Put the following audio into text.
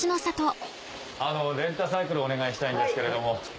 レンタサイクルお願いしたいんですけれども。